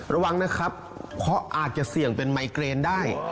ระวังนะครับเพราะอาจจะเสี่ยงเป็นไมเกรนได้